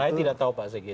saya tidak tahu pak zegi